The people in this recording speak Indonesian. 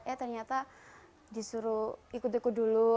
eh ternyata disuruh ikut ikut dulu